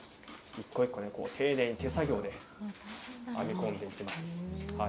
一個一個、丁寧に手作業で編み込んでいきます。